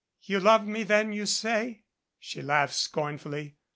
You loved me then, you say," she laughed scornfully.